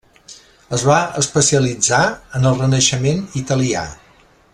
Es va especialitzar en el Renaixement italià.